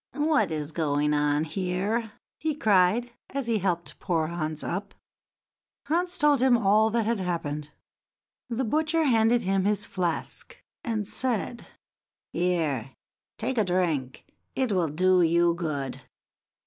"What is going on here?" he cried, as he helped poor Hans up. Hans told him all that had happened. The butcher handed him his flask, and said: "Here, take a drink, it will do you good.